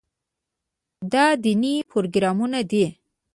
دا دیني پروګرامونه دي.